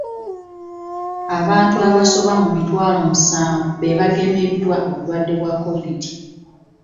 Abantu abasoba mu mitwalo musanvu be bagemeddwa obulwadde bwa Covid